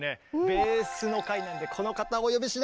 ベースの回なんでこの方をお呼びしなきゃ！